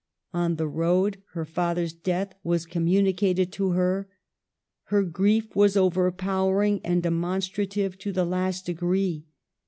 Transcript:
On the road her father's death was communicated to her. Her grief was overpowering and demon strative toothe last degree.